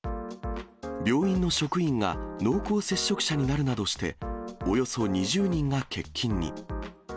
病院の職員が濃厚接触者になるなどして、およそ２０人が欠勤に。